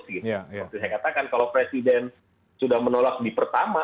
seperti saya katakan kalau presiden sudah menolak di pertama